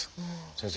先生